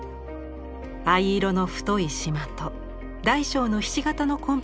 藍色の太いしまと大小のひし形のコンビネーション。